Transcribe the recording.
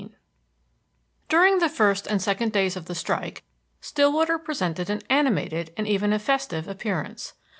XVII During the first and second days of the strike, Stillwater presented an animated and even a festive appearance.